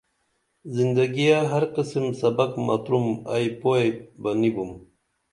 زندگیہ ہر قسم سبق مترُم ائی پوئی بہ نی بُم